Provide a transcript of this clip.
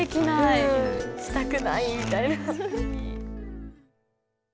「したくない」みたいな。